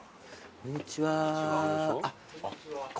こんにちは。